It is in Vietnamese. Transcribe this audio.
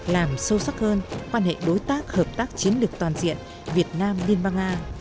làm sâu sắc hơn quan hệ đối tác hợp tác chiến lược toàn diện việt nam liên bang nga